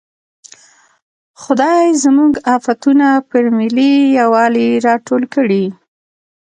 خدای زموږ افتونه پر ملي یوالي راټول کړي.